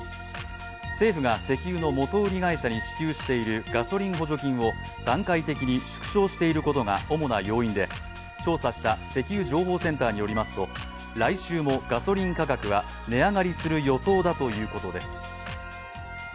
政府が石油の元売り会社に支給しているガソリン補助金を段階的に縮小していることが主な要因で、調査した石油情報センターによりますと、来週もガソリン価格は値上がりする予想だということです。